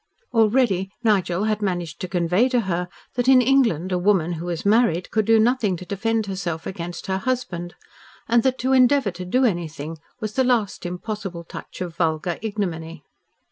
Already Nigel had managed to convey to her that in England a woman who was married could do nothing to defend herself against her husband, and that to endeavour to do anything was the last impossible touch of vulgar ignominy.